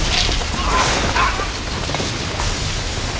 あっ！